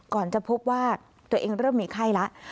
จะพบว่าตัวเองเริ่มมีไข้แล้ว